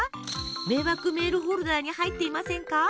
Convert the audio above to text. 迷惑メールフォルダに入っていませんか？